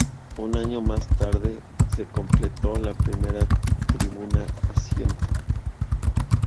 Un año más tarde, se completó la primera tribuna asiento.